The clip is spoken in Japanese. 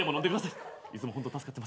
いつもホント助かってます。